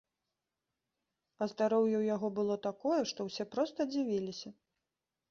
А здароўе ў яго было такое, што ўсе проста дзівіліся.